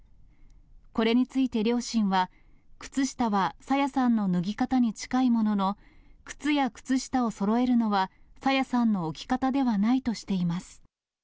これについて両親は、靴下は朝芽さんの脱ぎ方に近いものの、靴や靴下をそろえるのは、朝芽さんの置き方ではないとしています。